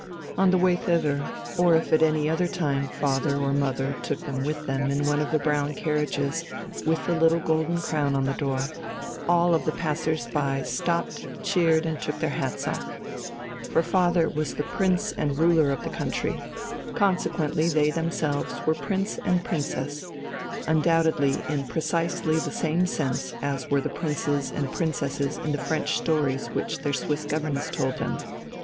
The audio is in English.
On the way thither, or if at any other time father or mother took them with them in one of the brown carriages with the little golden crown on the door, all the passers by stopped, cheered, and took their hats off; for father was Prince and Ruler of the country, consequently they themselves were Prince and Princess undoubtedly in precisely the same sense as were the princes and princesses in the French stories which their Swiss governess told them.